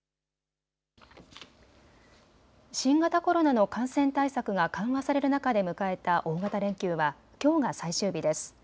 新型コロナの感染対策が緩和される中で迎えた大型連休はきょうが最終日です。